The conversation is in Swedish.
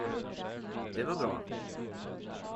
Det var bra.